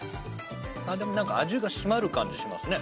何か味が締まる感じしますね。